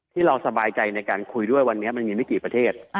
ที่เราสบายใจในการคุยด้วยวันนี้มันมีไม่กี่ประเทศ